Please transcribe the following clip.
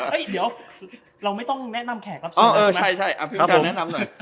เราไม่ต้องแนะนำแขกรับเสื้อ